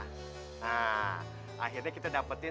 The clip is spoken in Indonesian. nah akhirnya kita dapetin